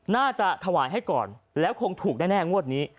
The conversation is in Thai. น่าจะถวายให้ก่อนแล้วคงถูกแน่งวดนี้